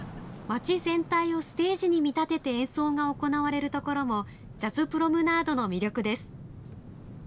街全体をステージに見立てて演奏が行われるところもジャズプロムナードの魅力です。